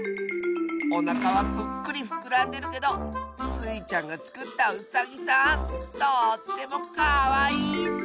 おなかはプックリふくらんでるけどスイちゃんがつくったウサギさんとってもかわいいッス！